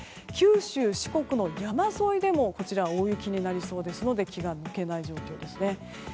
九州、四国の山沿いでも大雪になりそうですので気が抜けない状況ですね。